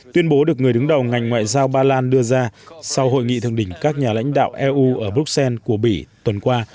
tuyên bố được người đứng đầu ngành ngoại giao ba lan đưa ra sau hội nghị thượng đỉnh các nhà lãnh đạo eu ở bruxelles của bỉ tuần qua